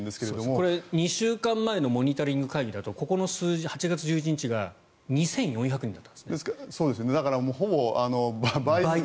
これ、２週間前のモニタリング会議だとここの数字８月１１日が２４００人だと。